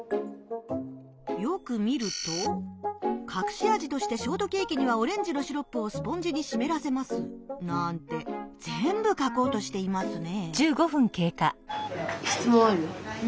よく見ると「かくしあじとしてショートケーキにはオレンジのシロップをスポンジにしめらせます」なんて全部書こうとしていますね。